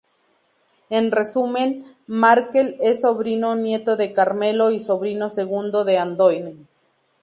En resumen, Markel es sobrino-nieto de Carmelo y sobrino segundo de Andoni.